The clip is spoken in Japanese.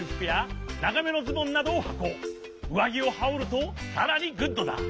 うわぎをはおるとさらにグッドだ！